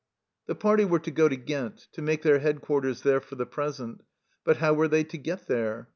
The party were to go to Ghent, to make their headquarters there for the present. But how were they to get there